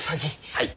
はい。